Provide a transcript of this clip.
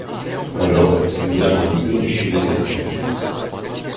Alors une dame a mis Polichinelle en prison.